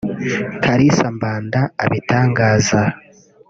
Kalisa Mbanda abitangaza